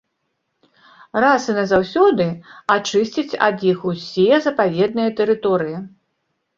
Раз і назаўсёды ачысціць ад іх усе запаведныя тэрыторыі.